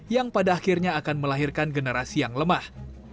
yang pada akhirnya akan melahirkan generasi yang lemah